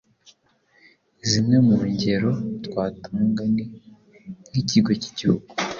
Zimwe mu ngero twatanga ni nk’Ikigo k’Igihugu